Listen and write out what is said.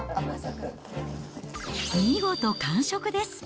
見事完食です。